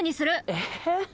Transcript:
えっ？